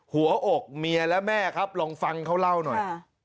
หัวอกเมียและแม่ครับลองฟังเขาเล่าหน่อย